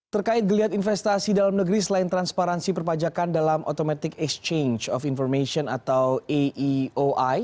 terkait geliat investasi dalam negeri selain transparansi perpajakan dalam automatic exchange of information atau aeoi